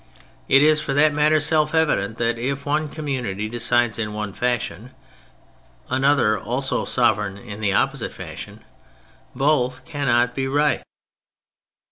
It is, for that matter, self evident that if one community decides in one fashion, another, also sovereign, in the opposite fashion, both cannot be right.